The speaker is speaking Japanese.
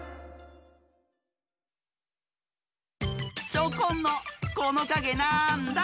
チョコンの「このかげなんだ？」